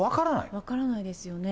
分からないですよね。